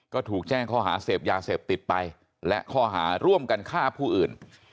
ก็ถูกแจ้งข้อหาเสพยาเสพติดไปและข้อหาร่วมกันฆ่าผู้อื่น